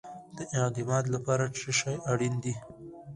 د اعتماد لپاره څه شی اړین دی؟